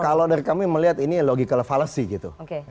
kalau dari kami melihat ini logikal falasi gitu